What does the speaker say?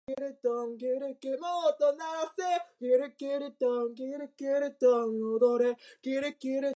お腹がすいたよ